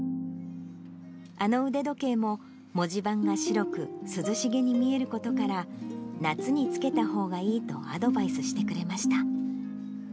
あの腕時計も、文字盤が白く、涼しげに見えることから夏につけたほうがいいとアドバイスしてくれました。